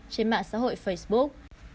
và xã hội facebook